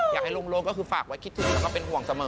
อยากให้ลงก็คือฝากไว้คิดถึง